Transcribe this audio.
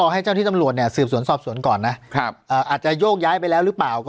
ต้องให้เจ้าที่จังลวดเนี่ยสืบสนสอบสนก่อนนะครับอาจจะโยกย้ายไปแล้วรึเปล่า